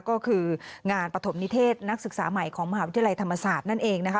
ก็คืองานปฐมนิเทศนักศึกษาใหม่ของมหาวิทยาลัยธรรมศาสตร์นั่นเองนะคะ